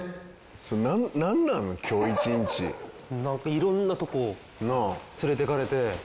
いろんなとこを連れていかれて。